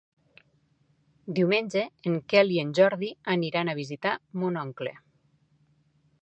Diumenge en Quel i en Jordi aniran a visitar mon oncle.